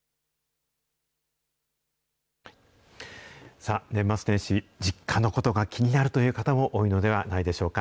さあ、年末年始、実家のことが気になるという方も多いのではないでしょうか。